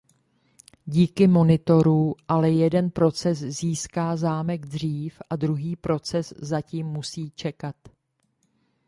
Díky monitoru ale jeden proces získá zámek dřív a druhý proces zatím musí čekat.